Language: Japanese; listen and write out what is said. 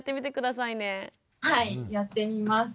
はいやってみます。